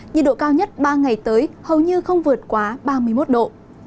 nhiệt độ cao nhất ba ngày tới hầu như không vượt quá ba mươi một độ